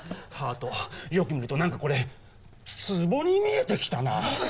ハートよく見ると何かこれつぼに見えてきたな。